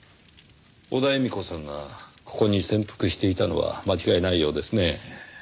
小田絵美子さんがここに潜伏していたのは間違いないようですね。